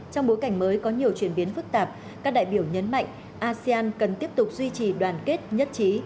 trong bối cảnh mới có nhiều chuyển biến phức tạp các đại biểu nhấn mạnh asean cần tiếp tục duy trì đoàn kết nhất trí